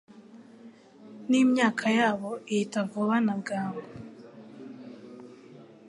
n’imyaka yabo ihita vuba na bwangu